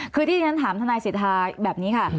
คือที่ฉันถามทนายสิทธาแบบนี้ค่ะ